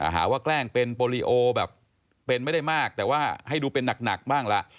หาว่าแกล้งเป็นโปรลีโอแบบเป็นไม่ได้มากแต่ว่าให้ดูเป็นหนักบ้างละ